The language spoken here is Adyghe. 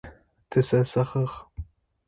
Тызэзэгъыгъ.